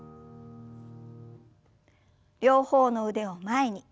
両方の腕を前に。